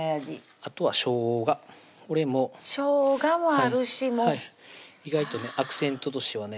あとはしょうがこれもしょうがもあるし意外とねアクセントとしてはね